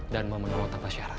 dan mau menolong tanpa syarat